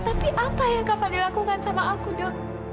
tapi apa yang kak fadil lakukan sama aku do